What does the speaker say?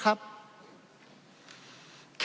เพราะเรามี๕ชั่วโมงครับท่านนึง